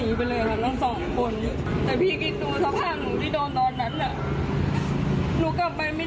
แต่พี่คิดดูสภาพหนูที่โดนตอนนั้นอ่ะหนูกลับไปไม่ได้